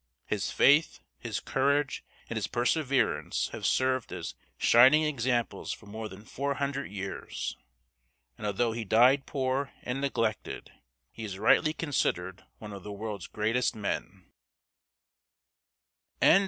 His faith, his courage, and his perseverance have served as shining examples for more than four hundred years, and although he died poor and neglected, he is rightly considered one of the world's greatest men.